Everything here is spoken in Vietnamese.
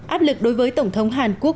áp lực đối với tổng thống hàn quốc